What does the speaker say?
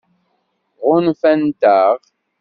Ɣunfant-aɣ?